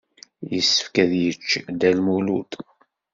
Yessefk ad yečč Dda Lmulud.